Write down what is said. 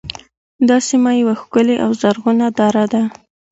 دا سیمه یوه ښکلې او زرغونه دره ده